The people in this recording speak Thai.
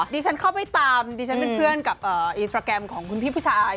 ดิฉันเข้าไปตามดิฉันเป็นเพื่อนกับอินสตราแกรมของคุณพี่ผู้ชาย